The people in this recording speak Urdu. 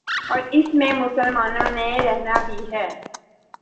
اور اس میں مسلمانوں نے رہنا بھی ہے۔